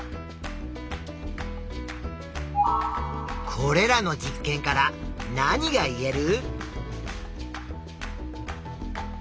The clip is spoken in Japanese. これらの実験から何が言える？